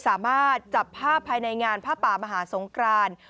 สามารถจับภาพภายในงานผ้าป่ามหาสงคราน